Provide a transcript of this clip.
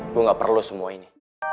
gue gak perlu semua ini